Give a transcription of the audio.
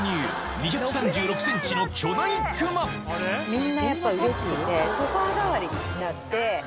２３６みんなやっぱり、うれしくて、ソファ代わりにしちゃって。